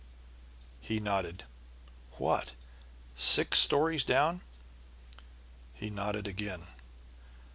He nodded. "What, six stories down?" He nodded again.